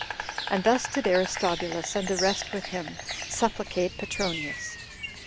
And thus did Aristobulus, and the rest with him, supplicate Petronius.